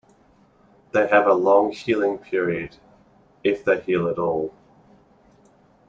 They have a long healing period, if they heal at all.